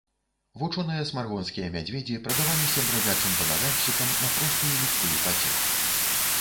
Вучоныя смаргонскія мядзведзі прадаваліся брадзячым балаганшчыкам на простую людскую пацеху.